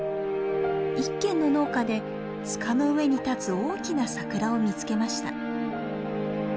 一軒の農家で塚の上に立つ大きなサクラを見つけました。